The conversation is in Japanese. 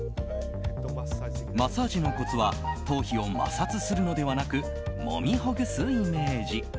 マッサージのコツは頭皮を摩擦するのではなくもみほぐすイメージ。